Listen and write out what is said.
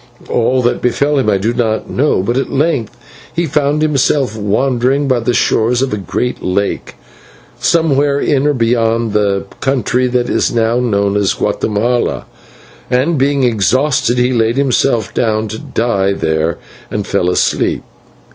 "All that befell him I do not know, but at length he found himself wandering by the shores of a great lake, somewhere in or beyond the country that is now known as Guatemala, and, being exhausted, he laid himself down to die there and fell asleep.